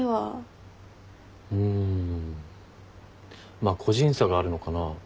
まあ個人差があるのかな。